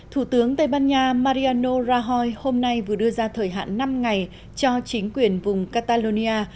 thủ tướng tây ban nha mariano rahoy hôm nay vừa đưa ra thời hạn năm ngày cho chính quyền vùng catalonia